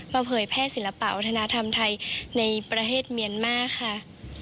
เผยแพร่ศิลปะวัฒนธรรมไทยในประเทศเมียนมาร์ค่ะ